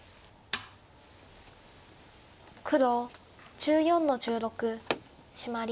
黒１４の十六シマリ。